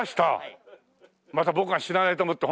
また僕が知らないと思って。